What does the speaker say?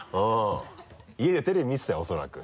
家でテレビ見てたよ恐らく。